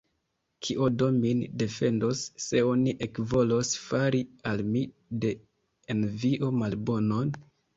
Kio do min defendos, se oni ekvolos fari al mi de envio malbonon?